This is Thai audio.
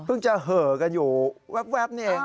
เพิ่งจะเหลือกันอยู่แว๊บนี่